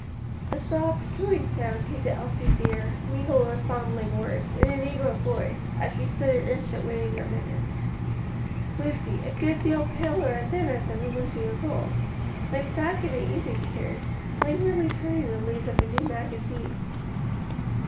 A soft, cooing sound came to Elsie's ear, mingled with fondling words, in a negro voice, as she stood an instant waiting admittance. Lucy, a good deal paler and thinner than the Lucy of old, lay back in an easy chair, languidly turning the leaves of a new magazine.